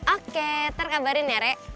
oke ntar kabarin ya re